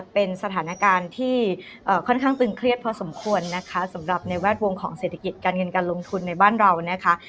เป็นสถานการณ์ที่ค่อนข้างตึงเครียดพอสมควรนะคะสำหรับในแวดวงของเศรษฐกิจการเงินการลงทุนในบ้านเรานะคะ